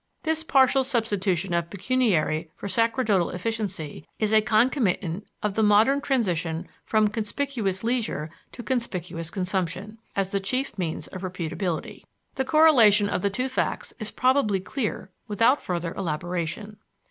This partial substitution of pecuniary for sacerdotal efficiency is a concomitant of the modern transition from conspicuous leisure to conspicuous consumption, as the chief means of reputability. The correlation of the two facts is probably clear without further elaboration.